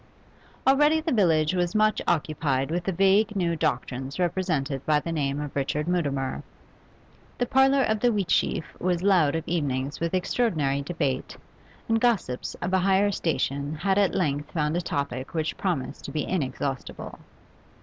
Already the village was much occupied with the vague new doctrines represented by the name of Richard Mutimer; the parlour of the Wheatsheaf was loud of evenings with extraordinary debate, and gossips of a higher station had at length found a topic which promised to be inexhaustible.